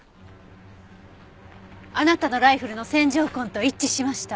あなたのライフルの線条痕と一致しました。